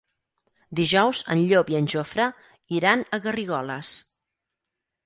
Dijous en Llop i en Jofre iran a Garrigoles.